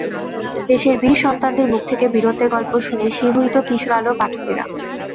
দেশের বীর সন্তানদের মুখ থেকে বীরত্বের গল্প শুনে শিহরিত কিশোর আলোর পাঠকেরা।